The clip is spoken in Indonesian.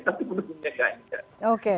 tapi pendukungnya ganjar